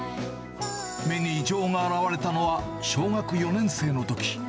目に異常が現れたのは小学４年生のとき。